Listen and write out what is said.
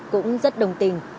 cũng rất đồng tình